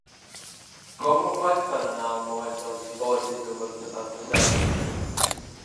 Com ho faig per anar al moll del Dipòsit número setanta-set?